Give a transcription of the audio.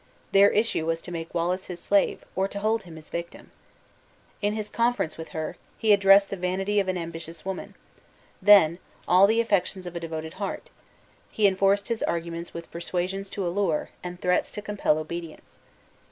Their issue was to make Wallace his slave, or to hold him his victim. In his conference with her, he addressed the vanity of an ambitious woman; then, all the affections of a devoted heart: he enforced his arguments with persuasions to allure, and threats to compel obedience.